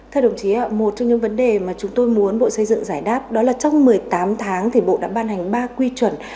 thưa đồng chí một trong những vấn đề mà chúng tôi muốn bộ xây dựng giải đáp đó là trong một mươi tám tháng thì bộ đã ban hành ba quy chuẩn